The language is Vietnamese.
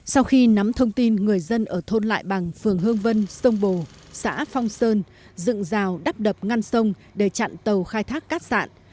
sau khi nắm thông tin người dân ở thôn lại bằng phường hương vân sông bồ xã phong sơn dựng rào đắp đập ngăn sông để chặn tàu khai thác cát sản